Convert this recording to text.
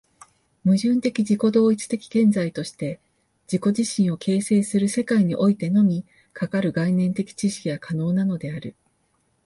矛盾的自己同一的現在として自己自身を形成する世界においてのみ、かかる概念的知識が可能なのである。